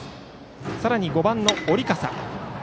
さらに５番、織笠。